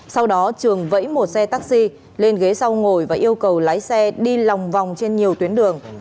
sau đó trường vẫy một xe taxi lên ghế sau ngồi và yêu cầu lái xe đi lòng vòng trên nhiều tuyến đường